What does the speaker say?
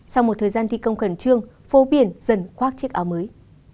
sau một thời gian thi công khẩn trương phố biển dần khoác chiếc áo mới